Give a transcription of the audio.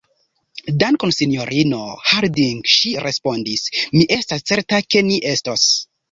Dankon, sinjorino Harding, ŝi respondis, mi estas certa, ke ni estos.